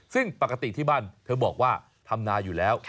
ซึ่งปกติที่บ้านเธอบอกว่าทำนาอยู่แล้ว